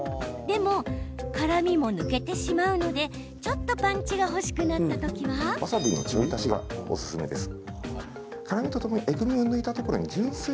でも、辛みも抜けてしまうのでちょっとパンチがわさびのちょい足しがおすすめです。